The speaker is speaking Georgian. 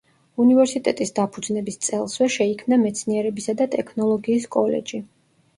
უნივერსიტეტის დაფუძნების წელსვე შეიქმნა მეცნიერებისა და ტექნოლოგიის კოლეჯი.